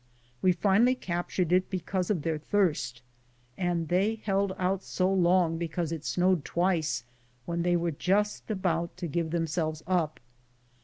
We finally captured it because of their thirst, and they held out so long be cause it snowed twice when they were just about to give themselves up.